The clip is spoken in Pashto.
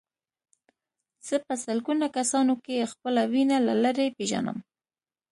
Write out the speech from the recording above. زه په سلګونه کسانو کې خپله وینه له لرې پېژنم.